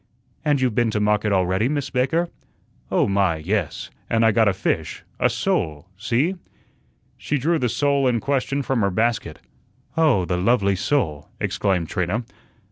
"And you've been to market already, Miss Baker?" "Oh, my, yes; and I got a fish a sole see." She drew the sole in question from her basket. "Oh, the lovely sole!" exclaimed Trina.